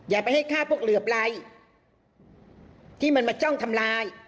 อย่าไปให้ฆ่าพวกเหลือบไรที่มันมาจ้องทำลาย